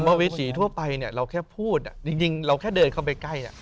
เวทีทั่วไปเราแค่พูดจริงเราแค่เดินเข้าไปใกล้